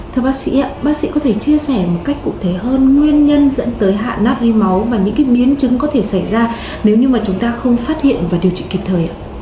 thưa bác sĩ bác sĩ có thể chia sẻ một cách cụ thể hơn nguyên nhân dẫn tới hạ nát ri máu và những biến chứng có thể xảy ra nếu chúng ta không phát hiện và điều trị kịp thời